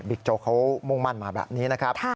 โจ๊กเขามุ่งมั่นมาแบบนี้นะครับ